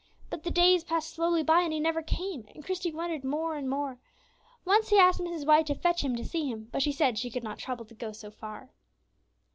But the days passed slowly by, and he never came, and Christie wondered more and more. Once he asked Mrs. White to fetch him to see him, but she said she could not trouble to go so far.